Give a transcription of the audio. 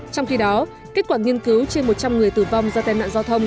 trong khi đó kết quả nghiên cứu trên một trăm linh người tử vong do tai nạn giao thông